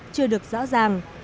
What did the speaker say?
chưa được rõ ràng